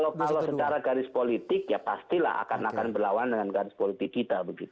kalau secara garis politik ya pastilah akan berlawan dengan garis politik kita